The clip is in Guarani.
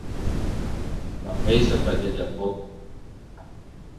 Mba'éichapa jajapóta.